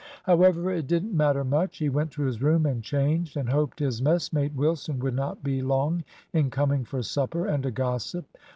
However, it didn't matter much. He went to his room and changed, and hoped his messmate Wilson would not be long in coming for supper and a gossip.